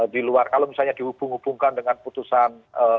di luar kalau misalnya dihubung hubungkan dengan putusan